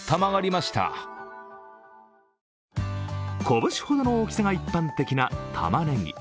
拳ほどの大きさが一般的なたまねぎ。